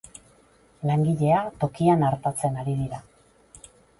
Langilea tokian artatzen ari dira.